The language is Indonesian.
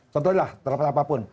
contohnya lah terlalu apapun